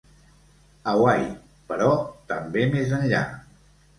Hawaii, però també més enllà.